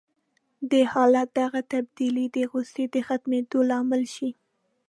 د حالت دغه تبديلي د غوسې د ختمېدو لامل شي.